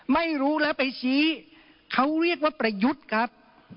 ไม่รู้แล้วไปชี้เขาเรียกว่าประยุทธ์ครับ